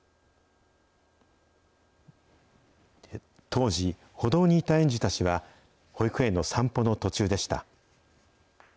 当時、歩道にいた園児たちは、保育園の散歩の途中でした。